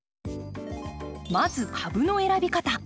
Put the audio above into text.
まず株の選び方。